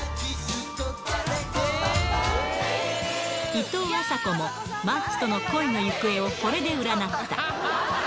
いとうあさこも、マッチとの恋の行方をこれで占った。